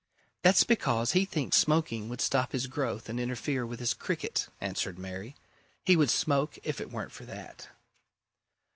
"That's because he thinks smoking would stop his growth and interfere with his cricket," answered Mary. "He would smoke if it weren't for that."